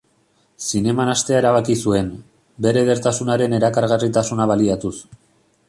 Zineman hastea erabaki zuen, bere edertasunaren erakargarritasuna baliatuz.